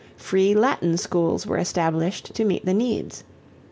Free Latin schools were established to meet the needs.